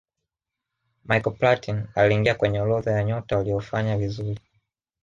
michael platin aliingia kwenye orodha ya nyota waliofanya vizuri